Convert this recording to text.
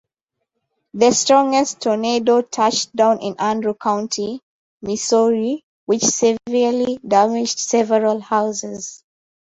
The strongest tornado touched down in Andrew County, Missouri, which severely damaged several houses.